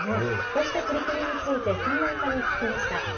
こうした取り組みについて専門家に聞きました。